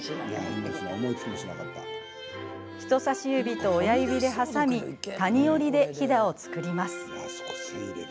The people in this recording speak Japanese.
人さし指と親指で挟み谷折りでひだを作ります。